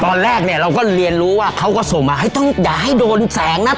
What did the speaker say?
ตอนแรกเนี่ยเราก็เรียนรู้ว่าเขาก็ส่งมาให้ต้องอย่าให้โดนแสงนะ